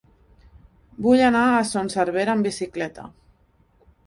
Vull anar a Son Servera amb bicicleta.